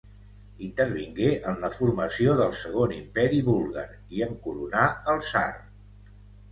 Intervingué en la formació del segon imperi búlgar i en coronà el tsar.